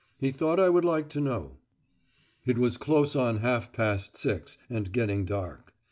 He thought I would like to know. It was close on half past six, and getting dark.